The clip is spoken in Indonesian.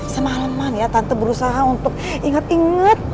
semaleman ya tante berusaha untuk inget inget